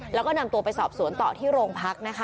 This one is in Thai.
แล้วก็นำตัวไปสอบสวนต่อที่โรงพักนะคะ